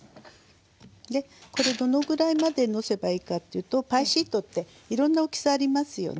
これどのぐらいまでのせばいいかっていうとパイシートっていろんな大きさありますよね。